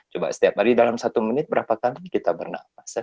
coba setiap hari dalam satu menit berapa kali kita bernafasan